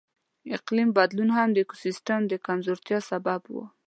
اقلیم بدلون هم د ایکوسیستم د کمزورتیا سبب و.